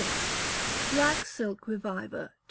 Black Silk Reviver (2).